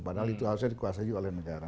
padahal itu harusnya dikuasai oleh negara